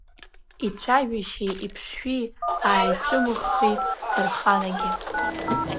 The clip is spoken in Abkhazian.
Ицәажәашьеи иԥшшәи ааицәымыӷхеит ҭарханагьы.